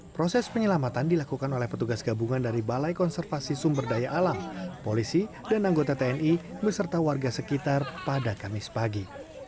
proses penyelamatan dilakukan oleh petugas gabungan dari balai konservasi sumber daya alam polisi dan anggota tni beserta warga sekitar pada kamis pagi